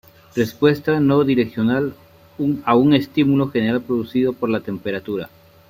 Respuesta no direccional a un estímulo general producido por la temperatura.